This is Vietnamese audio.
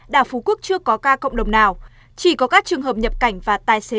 đảo phú quốc chưa có ca cộng đồng nào chỉ có các trường hợp nhập cảnh và tài xế